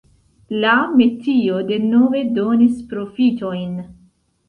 La metio denove donis profitojn.